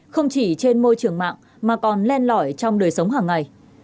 không chỉ trên môi trường mạng mà còn len lỏi trong đời sống hàng ngày